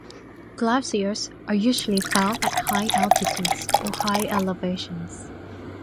Glaciers are usually found at high altitudes or high elevations.